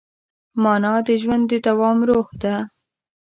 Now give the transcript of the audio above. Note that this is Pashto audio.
مانا د ژوند د دوام روح ده.